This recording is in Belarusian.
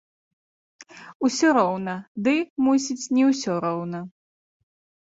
Усё роўна, ды, мусіць, не ўсё роўна.